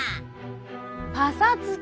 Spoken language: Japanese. パサつき。